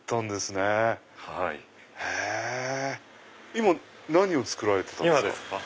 今何を作られてたんですか？